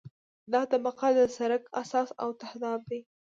دا طبقه د سرک اساس او تهداب دی